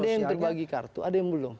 ada yang terbagi kartu ada yang belum